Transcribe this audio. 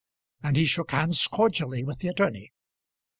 And he shook hands cordially with the attorney.